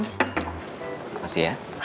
terima kasih ya